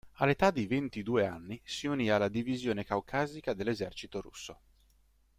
All'età di ventidue anni si unì alla Divisione Caucasica dell'Esercito Russo.